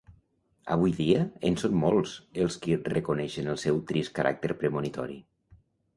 Avui dia, en són molts els qui reconeixen el seu trist caràcter premonitori.